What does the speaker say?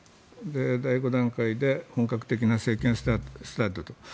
第５段階で本格的な政権スタートと。